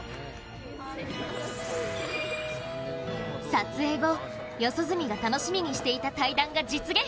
撮影後、四十住が楽しみにしていた対談が実現。